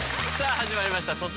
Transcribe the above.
さあ始まりました